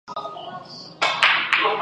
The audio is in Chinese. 元世祖至元元年改为中都路大兴府。